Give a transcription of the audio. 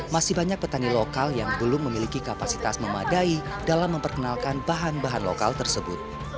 masih banyak petani lokal yang belum memiliki kapasitas memadai dalam memperkenalkan bahan bahan lokal tersebut